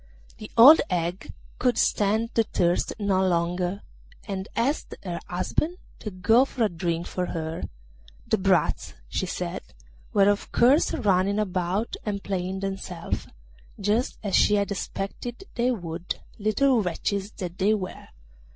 The old hag could stand the thirst no longer, and asked her husband to go for a drink for her; the brats, she said, were of course running about and playing themselves, just as she had expected they would, little wretches that they were.